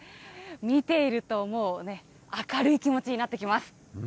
見ているともうね、明るい気持ちになってきます。